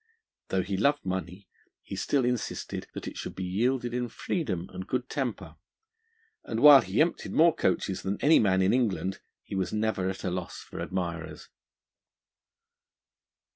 Though he loved money, he still insisted that it should be yielded in freedom and good temper; and while he emptied more coaches than any man in England, he was never at a loss for admirers.